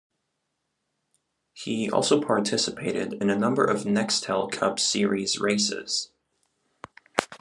He also participated in a number of Nextel Cup Series races.